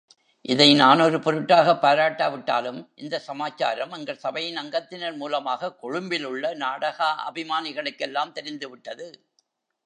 இதை நான் ஒரு பொருட்டாகப் பாராட்டாவிட்டாலும், இந்த சமாச்சாரம் எங்கள் சபையின் அங்கத்தினர் மூலமாகக் கொழும்பிலுள்ள நாடாகாபிமானிகளுக்கெல்லாம் தெரிந்துவிட்டது.